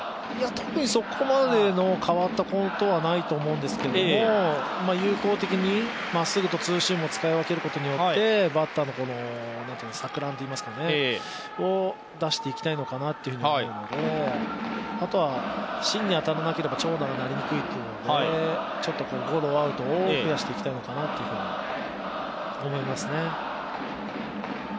特にそこまでの変わったことはないと思うんですけれども、有効的にまっすぐとツーシームを使い分けることによってバッターの錯乱といいますかを出していきたいのかなと思いますので、あとは、芯に当たらなければ長打になりにくいので、ちょっとゴロアウトを増やしていきたいのかなと思いますね。